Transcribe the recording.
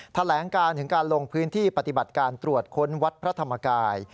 แถลงการถึงการลงพื้นที่ปฏิบัติการตรวจค้นวัดพระธรรมกาย